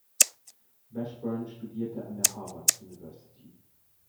Washburn studierte an der Harvard University.